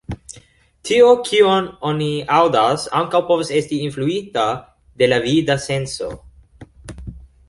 Tio, kion oni aŭdas ankaŭ povas esti influita de la vida senso.